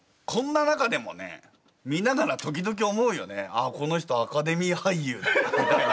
こんな「この人アカデミー俳優」みたいな。